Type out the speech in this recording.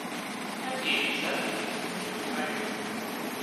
At the age of seventy, he retired.